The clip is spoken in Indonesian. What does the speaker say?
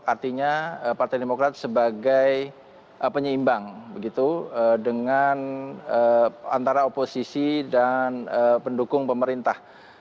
artinya partai demokrat sebagai penyeimbang dengan antara oposisi dan pendukung pemerintah